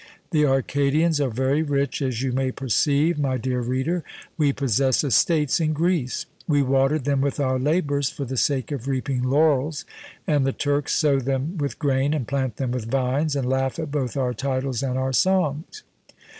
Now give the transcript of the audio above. The Arcadians are very rich, as you may perceive, my dear reader: we possess estates in Greece; we water them with our labours for the sake of reaping laurels, and the Turks sow them with grain, and plant them with vines, and laugh at both our titles and our songs."